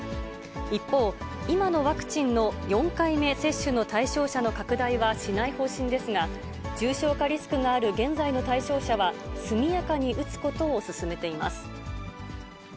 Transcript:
一方、今のワクチンの４回目接種の対象者の拡大はしない方針ですが、重症化リスクがある現在の対象者は、速やかに打つことを勧めています。